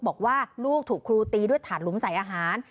บอกว่าลูกถูกครูตีด้วยถาดหลุมใส่อาหาร